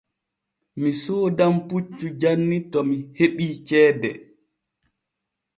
Mi soodan puccu janni to mi heɓii ceede.